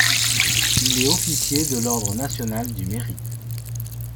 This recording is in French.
Il est officier de l'ordre national du Mérite.